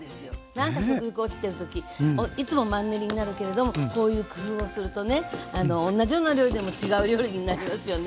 なんか食欲落ちてる時いつもマンネリになるけれどもこういう工夫をするとね同じような料理でも違う料理になりますよね。